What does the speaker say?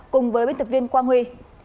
cùng với biên tập viên quang huy